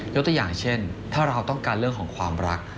ตัวอย่างเช่นถ้าเราต้องการเรื่องของความรัก